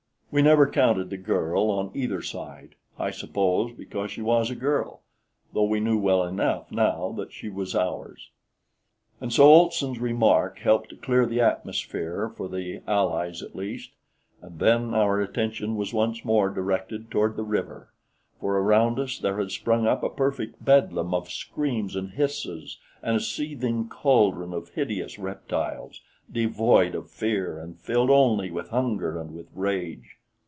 We never counted the girl on either side, I suppose because she was a girl, though we knew well enough now that she was ours. And so Olson's remark helped to clear the atmosphere for the Allies at least, and then our attention was once more directed toward the river, for around us there had sprung up a perfect bedlam of screams and hisses and a seething caldron of hideous reptiles, devoid of fear and filled only with hunger and with rage.